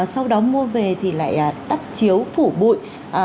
sau đó mua về thì lại đắp chiếu phủ bụi